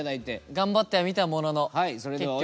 頑張ってはみたものの結局。